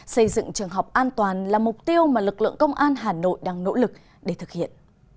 xây dựng trường học an toàn là mục tiêu mà lực lượng công an hà nội đang nỗ lực để thực hiện